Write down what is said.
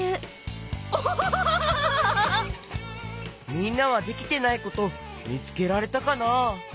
みんなはできてないことみつけられたかな？